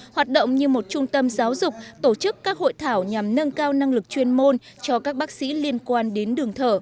hoạt động như một trung tâm giáo dục tổ chức các hội thảo nhằm nâng cao năng lực chuyên môn cho các bác sĩ liên quan đến đường thở